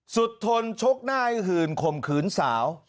ทนชกหน้าให้หื่นข่มขืนสาว